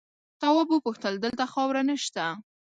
تواب وپوښتل دلته خاوره نه شته؟